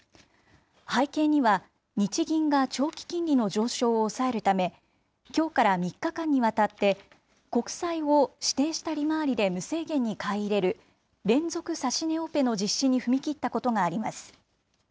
背景には日銀が長期金利の上昇を抑えるため、きょうから３日間にわたって国債を指定した利回りで無制限に買い入れる、連続指値オペの実施に踏み切ったことにあります。